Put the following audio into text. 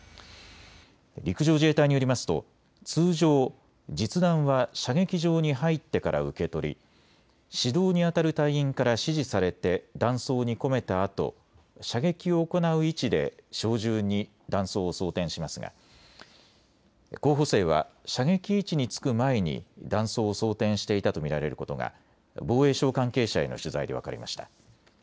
陸上自衛隊によりますと通常、実弾は射撃場に入ってから受け取り指導にあたる隊員から指示されて弾倉に込めたあと射撃を行う位置で小銃に弾倉を装填しますが候補生は射撃位置につく前に弾倉を装填していたと見られることが防衛省関係者への取材で分かりました。